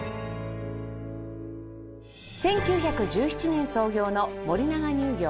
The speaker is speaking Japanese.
１９１７年創業の森永乳業